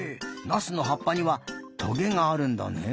ナスのはっぱにはトゲがあるんだねえ。